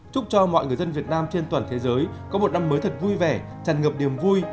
chúc cho mọi người dân việt nam trên toàn thế giới có một năm mới thật vui vẻ tràn ngập niềm vui